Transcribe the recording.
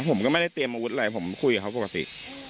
ผมก็ไม่ได้เตรียมอาวุธอะไรผมคุยกับเขาปกติ